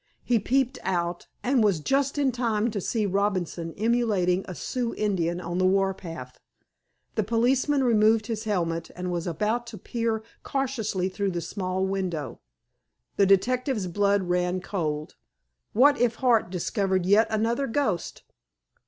He peeped out, and was just in time to see Robinson emulating a Sioux Indian on the war path. The policeman removed his helmet, and was about to peer cautiously through the small window. The detective's blood ran cold. What if Hart discovered yet another ghost?